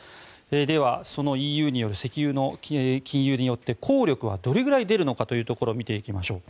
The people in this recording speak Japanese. では、そのＥＵによる石油の禁輸によって効力はどれぐらい出るのかというところを見ていきましょう。